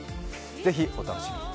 ぜひお楽しみに。